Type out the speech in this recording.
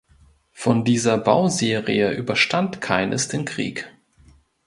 Von dieser Bauserie überstand keines den Krieg.